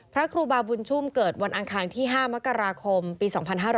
พระครูบาบุญชุ่มเกิดวันอังคารที่๕มกราคมปี๒๕๕๙